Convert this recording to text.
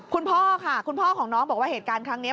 คุณพ่อค่ะคุณพ่อของน้องบอกว่าเหตุการณ์ครั้งนี้